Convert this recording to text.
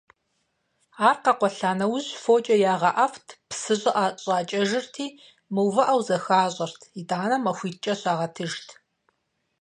Ар къэкъуэлъа нэужь фокIэ ягъэIэфIт, псы щIыIэ щIакIэжырти, мыIуву зэхащIэрт, итIанэ махуитIкIэ щагъэтыжт.